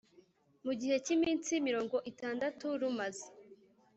Mu gihe cy iminsi mirongo itandatu rumaze